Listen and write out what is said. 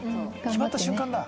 決まった瞬間だ。